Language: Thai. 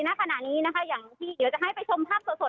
ณขณะนี้นะคะอย่างที่เดี๋ยวจะให้ไปชมภาพสด